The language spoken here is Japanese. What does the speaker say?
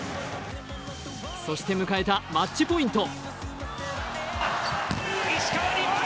そして、迎えたマッチポイント。